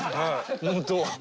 本当。